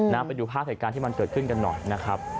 ไปดูภาพเหตุการณ์ที่มันเกิดขึ้นกันหน่อยนะครับ